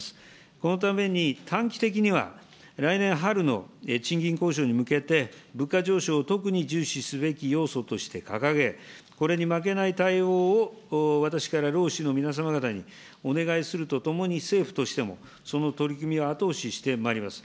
このために短期的には来年春の賃金交渉に向けて、物価上昇を特に重視すべき要素として掲げ、これに負けない対応を私から労使の皆様方にお願いするとともに、政府としても、その取り組みを後押ししてまいります。